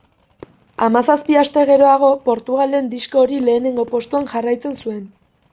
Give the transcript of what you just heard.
Hamazazpi aste geroago, Portugalen disko hori lehenengo postuan jarraitzen zuen.